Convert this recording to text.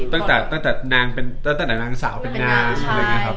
ตั้งแต่นางสาวเป็นนางใช่ไหมครับ